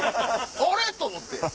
あれ？と思って。